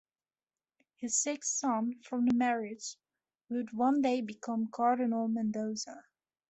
His sixth son from the marriage would one day become Cardinal Mendoza.